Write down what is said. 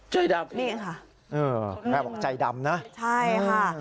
ใจดำนี่ค่ะเออแม่บอกใจดำนะใช่ค่ะ